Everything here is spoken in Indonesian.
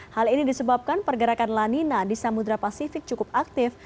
hal ini disebabkan pergerakan lanina di samudera pasifik cukup aktif